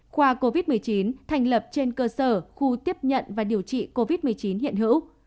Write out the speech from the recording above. khoa covid một mươi chín thành lập trên cơ sở khu tiếp nhận và điều trị covid một mươi chín hiện hữu